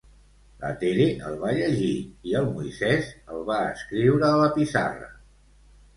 La Tere el va llegir i el Moisés el va escriure a la pissarra.